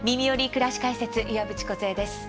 くらし解説」岩渕梢です。